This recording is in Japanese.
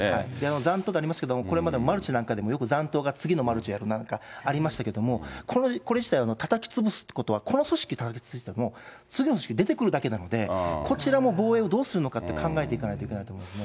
残党とかありますけど、これまでマルチなんかでも、よく残党が次のマルチやるなんかありましたけど、これ自体、たたきつぶすってことは、この組織だけ潰しても、次の組織、出てくるだけなので、こちらもどうするかってのは考えていかないといけないと思いますね。